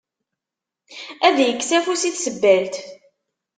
Ad ikkes afus i tsebbalt.